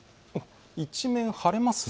一面晴れますね。